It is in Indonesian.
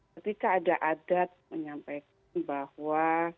ketika ada adat menyampaikan bahwa